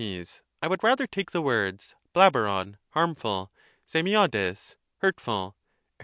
I would rather take the words ^Xafiephv (harmful), ^rmi iodeg (hurtful). Her.